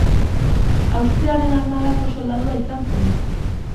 Austriaren armadako soldadua izan zen.